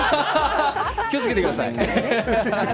気をつけてください。